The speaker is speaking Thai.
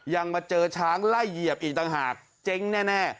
มาเจอช้างไล่เหยียบอีกต่างหากเจ๊งแน่